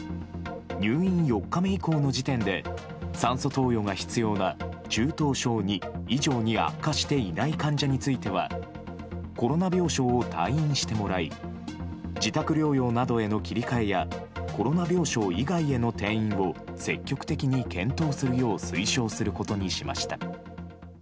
入院４日目以降の時点で、酸素投与が必要な中等症２以上に悪化していない患者については、コロナ病床を退院してもらい、自宅療養などへの切り替えや、コロナ病床以外への転院を積極的に検討するよう推奨することにしました。